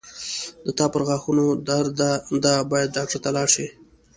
د تا پرغاښونو درد ده باید ډاکټر ته لاړ شې